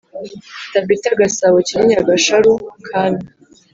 TabithaGasabo Kinyinya Gasharu Kami